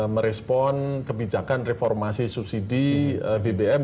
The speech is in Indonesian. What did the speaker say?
merespon kebijakan reformasi subsidi bbm